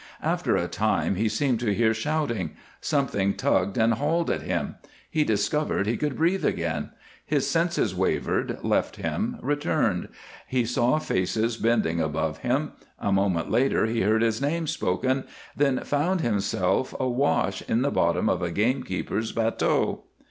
After a time he seemed to hear shouting; something tugged and hauled at him; he discovered he could breathe again. His senses wavered, left him, returned; he saw faces bending above him. A moment later he heard his name spoken, then found himself awash in the bottom of a gamekeeper's batteau.